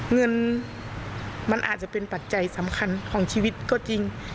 เงินมันอาจจะเป็นปัจจัยสำคัญของชีวิตก็จริง